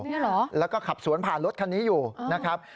เนี่ยเหรอแล้วก็ขับสวนผ่านรถคันนี้อยู่นะครับ